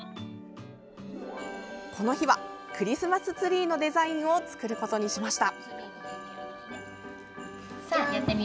この日はクリスマスツリーのデザインを作ることにしました。